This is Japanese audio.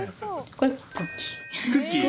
これクッキー。